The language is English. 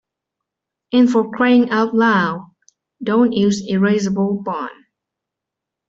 And for crying out loud, don't use erasable bond.